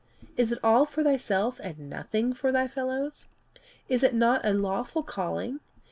Is it all for thyself and nothing for thy fellows? Is it not a lawful calling?